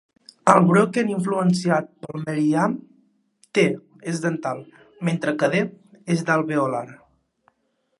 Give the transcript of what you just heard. Al Broken influenciat pel Meriam, "t" és dental, mentre que "d" és alveolar.